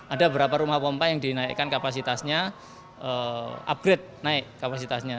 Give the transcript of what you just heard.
ada beberapa rumah pompa yang dinaikkan kapasitasnya upgrade naik kapasitasnya